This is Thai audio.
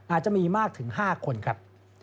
อาจจะมีมากถึง๕คนครับ